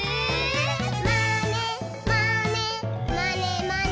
「まねまねまねまね」